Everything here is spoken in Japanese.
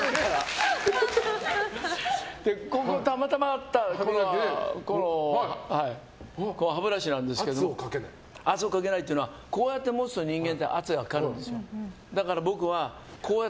たまたまあったこの歯ブラシなんですけど圧をかけないというのはこうやって持つと人間って圧がかかるんです。